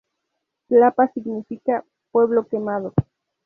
Tlapa significa: pueblo quemado.